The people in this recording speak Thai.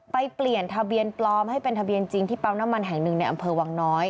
เปลี่ยนทะเบียนปลอมให้เป็นทะเบียนจริงที่ปั๊มน้ำมันแห่งหนึ่งในอำเภอวังน้อย